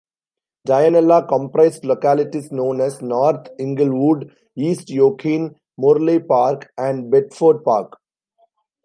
Dianella comprised localities known as North Inglewood, East Yokine, Morley Park and Bedford Park.